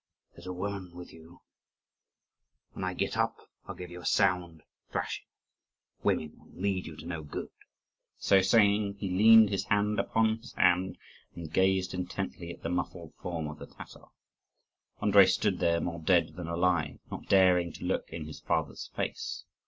"There's a woman with you. When I get up I'll give you a sound thrashing. Women will lead you to no good." So saying, he leaned his hand upon his hand and gazed intently at the muffled form of the Tatar. Andrii stood there, more dead than alive, not daring to look in his father's face.